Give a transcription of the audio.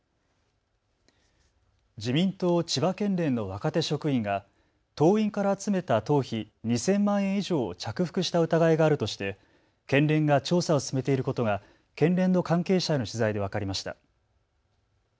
自民党千葉県連の若手職員が党員から集めた党費２０００万円以上を着服した疑いがあるとして県連が調査を進めていることが県連の関係者への取材で分かりました。